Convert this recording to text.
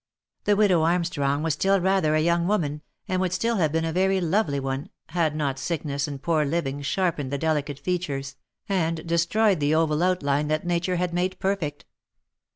The widow Armstrong was still rather a young woman, and would still have been a very lovely one, had not sickness and poor living sharpened the delicate fea tures, and destroyed the oval outline that nature had made perfect.